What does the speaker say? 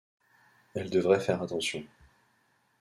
Elle devrait faire attention.